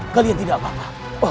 kalian tidak apa apa